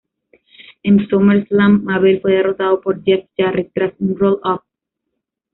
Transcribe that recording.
En SummerSlam, Mabel fue derrotado por Jeff Jarrett tras un roll-up.